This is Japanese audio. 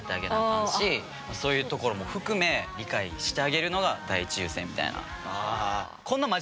かんしそういうところも含め理解してあげるのが第一優先みたいな。